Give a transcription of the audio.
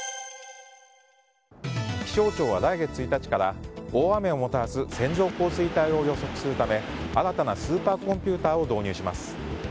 気象庁は来月１日から大雨をもたらす線状降水帯を予測するため新たなスーパーコンピューターを導入します。